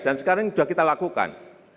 dan sekarang ini sudah kita lakukan